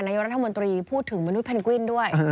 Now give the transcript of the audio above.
นายโดยรุ่งรัฐมนตรีพูดถึงมนุษย์เพ้งกวิ่นด้วย